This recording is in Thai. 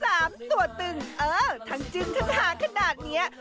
สามตัวตึงเออทั้งจึงขนาดนี้